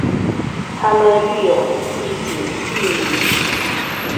她们育有一子一女。